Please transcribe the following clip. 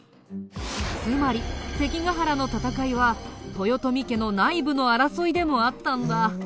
つまり関ヶ原の戦いは豊臣家の内部の争いでもあったんだ。